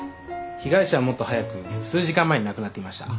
被害者はもっと早く数時間前に亡くなっていました。